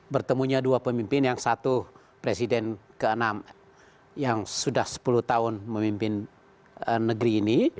bertemunya dua pemimpin yang satu presiden ke enam yang sudah sepuluh tahun memimpin negeri ini